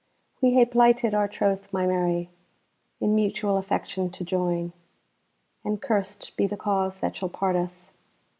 We hae plighted our troth, my Mary, In mutual affection to join; And curst be the cause that shall part us!